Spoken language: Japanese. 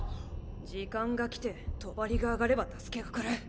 時間が来て帳が上がれば助けが来る。